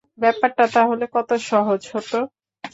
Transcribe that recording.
ব্যাপারটা তাহলে কত সহজ হত।